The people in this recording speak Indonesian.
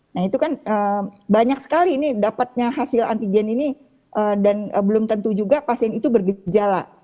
nah itu kan banyak sekali ini dapatnya hasil antigen ini dan belum tentu juga pasien itu bergejala